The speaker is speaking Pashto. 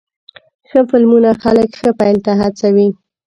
ښه فلمونه خلک ښه پیل ته هڅوې.